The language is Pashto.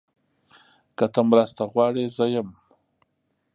که ته مرسته غواړې، زه یم.